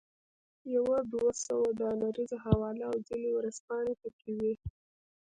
یوه دوه سوه ډالریزه حواله او ځینې ورځپاڼې پکې وې.